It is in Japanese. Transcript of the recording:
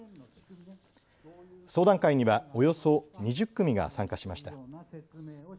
相談会にはおよそ２０組が参加しました。